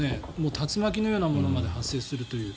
竜巻のようなものまで発生するという。